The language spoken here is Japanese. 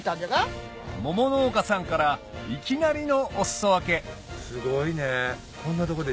桃農家さんからいきなりのお裾分けすごいねこんなとこで。